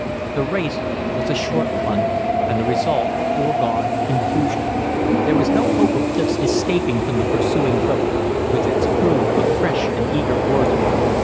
The race was a short one, and the result a foregone conclusion. There was no hope of Clif's escaping from the pursuing boat, with its crew of fresh and eager oarsmen.